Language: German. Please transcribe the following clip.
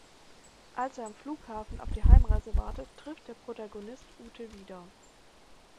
Als er am Flughafen auf die Heimreise wartet, trifft der Protagonist Ute wieder.